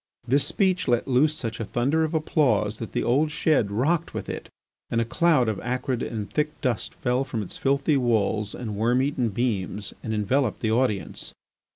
This speech let loose such a thunder of applause that the old shed rocked with it, and a cloud of acrid and thick dust fell from its filthy walls and worm eaten beams and enveloped the audience.